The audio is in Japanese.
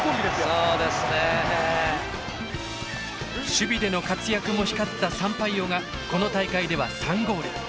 守備での活躍も光ったサンパイオがこの大会では３ゴール。